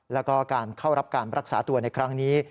แล้วก็การเข้ารับการรักษาตัวในครั้งนี้